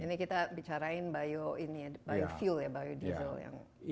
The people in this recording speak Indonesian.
ini kita bicarain bio ini ya biofuel ya biodiesel yang